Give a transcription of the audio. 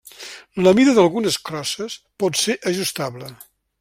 La mida d'algunes crosses pot ser ajustable.